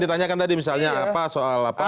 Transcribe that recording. ditanyakan tadi misalnya apa soal apa